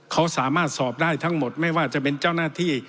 เขาสามารถสอบได้ทั้งหมดไม่ว่าจะเป็นเจ้าหน้าที่